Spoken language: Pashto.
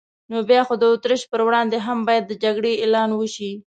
نو بیا خو د اتریش پر وړاندې هم باید د جګړې اعلان وشي.